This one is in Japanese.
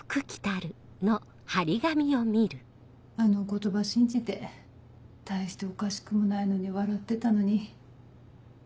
あの言葉信じて大しておかしくもないのに笑ってたのに。